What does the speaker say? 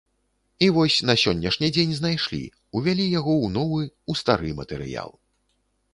І вось на сённяшні дзень знайшлі, увялі яго ў новы, у стары матэрыял.